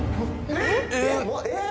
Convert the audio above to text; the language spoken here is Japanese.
えっ⁉